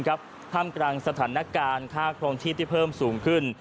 ท่ามกลางสถานการณ์ค่าครองชีพที่เพิ่มสูงขึ้น